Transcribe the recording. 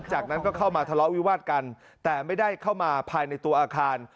จากนั้นก็เข้ามาทะเลาะวิวาดกันแต่ไม่ได้เข้ามาภายในตัวอาคาร